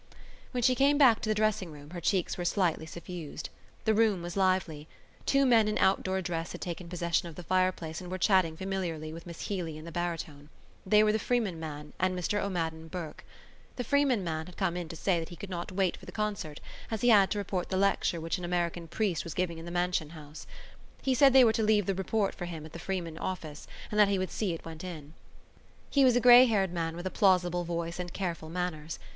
When she came back to the dressing room her cheeks were slightly suffused. The room was lively. Two men in outdoor dress had taken possession of the fireplace and were chatting familiarly with Miss Healy and the baritone. They were the Freeman man and Mr O'Madden Burke. The Freeman man had come in to say that he could not wait for the concert as he had to report the lecture which an American priest was giving in the Mansion House. He said they were to leave the report for him at the Freeman office and he would see that it went in. He was a grey haired man, with a plausible voice and careful manners.